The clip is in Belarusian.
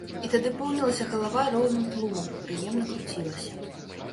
І тады поўнілася галава роўным тлумам, прыемна круцілася.